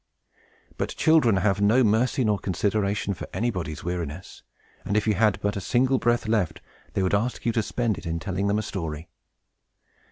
But children have no mercy nor consideration for anybody's weariness; and if you had but a single breath left, they would ask you to spend it in telling them a story.